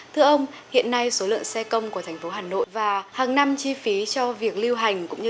thưa ông hiện nay số lượng xe công của thành phố hà nội và hàng năm chi phí cho việc lưu hành cũng như